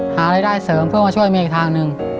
หารายได้เสริมเพื่อมาช่วยเมย์อีกทางหนึ่ง